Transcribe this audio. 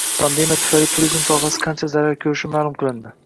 Pandemiya tufayli turizm sohasi qancha zarar koʻrishi maʼlum qilindi